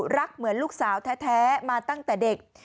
เหมือนลูกสาวแท้มาตั้งแต่เด็ก